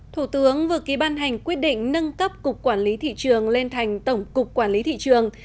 thủ tướng vừa ký ban hành quyết định nâng cấp cục quản lý thị trường lên thành tổng cục quản lý thị trường